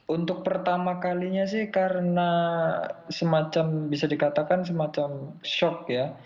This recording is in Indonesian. untuk pertama kalinya sih karena semacam bisa dikatakan semacam shock ya